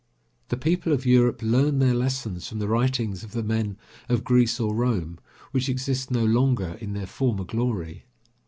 The people of Europe learn their lessons from the writings of the men of Greece or Rome, which exist no longer in their former glory.